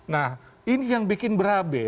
nah ini yang bikin berabe